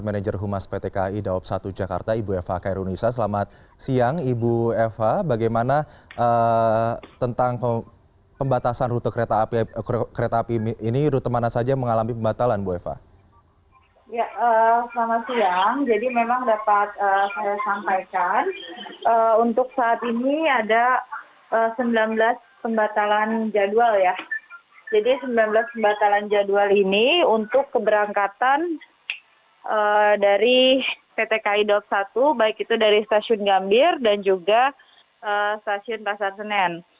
jadi sembilan belas pembatalan jadwal ini untuk keberangkatan dari pt kaidob satu baik itu dari stasiun gambir dan juga stasiun pasar senen